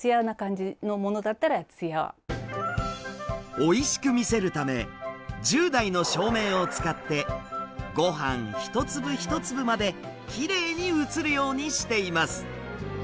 おいしく見せるため１０台の照明を使ってごはん一粒一粒まできれいに映るようにしています。